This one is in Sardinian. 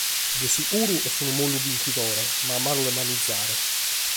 De seguru est unu mollu binchidore, ma malu de manigiare.